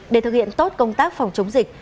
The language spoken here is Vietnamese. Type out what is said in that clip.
để thực hiện tốt công tác phòng chống dịch